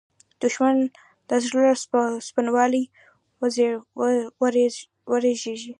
دښمن د زړه له سپینوالي وېرېږي